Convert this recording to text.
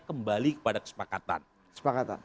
kembali kepada kesepakatan